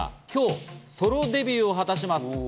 今日ソロデビューを果たします。